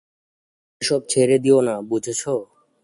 এসব ছেড়ে দিও না, বুঝেছ?